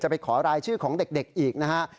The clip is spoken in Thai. ไปขอรายชื่อของเด็กอีกนะฮะ